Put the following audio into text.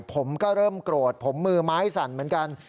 ผมก็เริ่มโกรธผมมือไม้สั่นเหมือนกัน